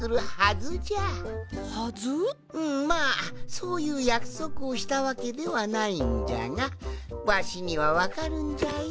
そういうやくそくをしたわけではないんじゃがわしにはわかるんじゃよ